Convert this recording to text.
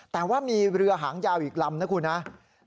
แต่ว่ามีเรือหางยาวอีกลำนะครับ